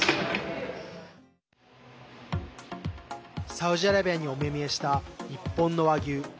サウジアラビアにお目見えした日本の和牛。